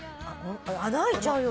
穴あいちゃうよ。